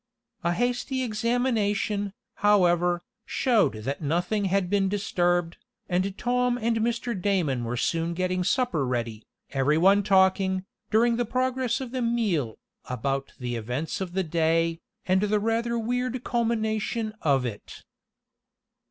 A hasty examination, however, showed that nothing had been disturbed, and Tom and Mr. Damon were soon getting supper ready, everyone talking, during the progress of the meal, about the events of the day, and the rather weird culmination of it.